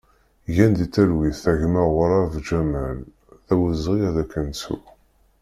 Gen di talwit a gma ƔUrab Ǧamal, d awezɣi ad k-nettu!